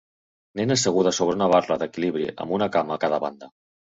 Nena asseguda sobre una barra d'equilibri amb una cama a cada banda.